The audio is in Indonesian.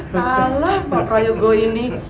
kalah pak prayogo ini